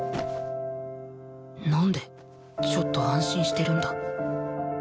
なんでちょっと安心してるんだ